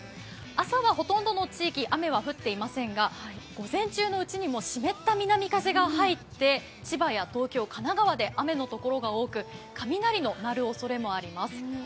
朝はほとんどの地域雨は降っていませんが午前中のうちにも湿った南風が入って千葉や東京、神奈川で雨の所が多く雷の鳴るおそれもあります。